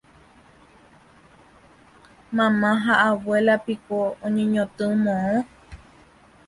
Mama ha abuela piko oñeñotỹ moõ